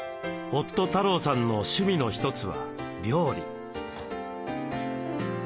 夫・太郎さんの趣味の一つは料理。